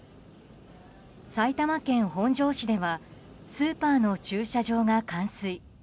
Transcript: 埼玉県本庄市ではスーパーの駐車場が冠水。